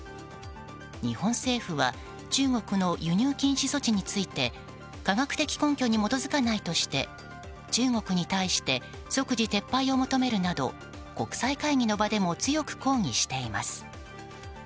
日本政府は中国の輸入禁止措置について科学的根拠に基づかないとして中国に対して即時撤廃を求めるなど国際会議の場でも強く抗議しています。